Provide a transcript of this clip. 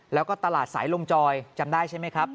แล้วก็ตลาดสายลมจอยจำได้ใช่ไหมครับ